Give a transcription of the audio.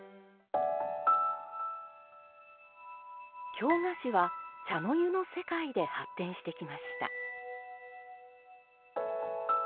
京菓子は茶の湯の世界で発展してきました。